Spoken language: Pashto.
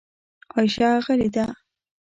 عایشه غلې ده .